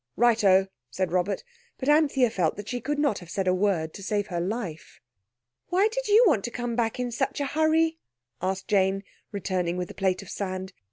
"Righto!" said Cyril; but Anthea felt that she could not have said a word to save her life. "Why did you want to come back in such a hurry?" asked Jane, returning with the plate of sand.